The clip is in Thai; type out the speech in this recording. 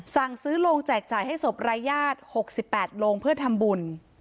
สั่งซื้อโรงแจกจ่ายให้ศพรายญาติ๖๘โลงเพื่อทำบุญ